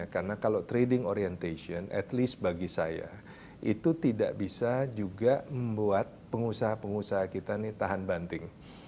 karena kalau trading orientation at least bagi saya itu tidak bisa juga membuat pengusaha pengusaha kita ini tahan banting